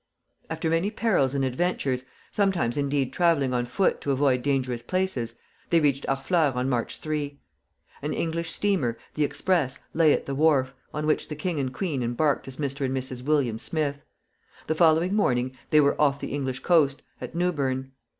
After many perils and adventures, sometimes indeed travelling on foot to avoid dangerous places, they reached Harfleur on March 3. An English steamer, the "Express," lay at the wharf, on which the king and queen embarked as Mr. and Mrs. William Smith. The following morning they were off the English coast, at Newbern.